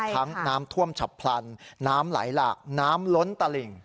น้ำท่วมฉับพลันน้ำไหลหลากน้ำล้นตลิ่ง